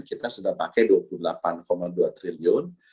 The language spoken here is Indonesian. kita sudah pakai dua puluh delapan dua triliun